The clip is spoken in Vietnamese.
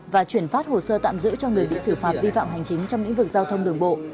và chuyển phát hồ sơ tạm giữ cho người bị xử phạt vi phạm hành chính trong lĩnh vực giao thông đường bộ